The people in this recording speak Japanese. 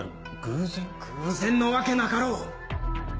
偶然のわけなかろう！